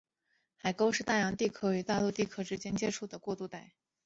海沟是大洋地壳与大陆地壳之间的接触过渡带。